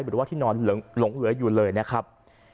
หรือว่าที่นอนหลงเหลืออยู่เลยนะครับ